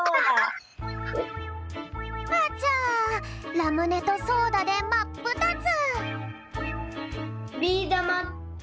あちゃラムネとソーダでまっぷたつ。